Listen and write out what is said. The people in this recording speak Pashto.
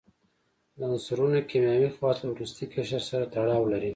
د عنصرونو کیمیاوي خواص له وروستي قشر سره تړاو لري.